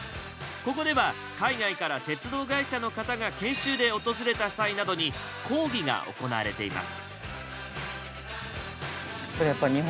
ここでは海外から鉄道会社の方が研修で訪れた際などに講義が行われています。